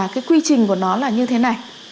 cái quy trình của nó là như thế này